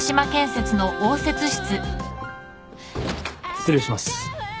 失礼します。